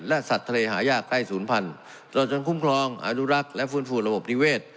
และสัตว์ทะเลหายากใกล้๐๐๐๐ตัวจนคุ้มครองอนุรักษ์และฟูนฟูนระบบนิเวศ